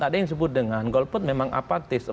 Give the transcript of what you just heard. ada yang disebut dengan golput memang apatis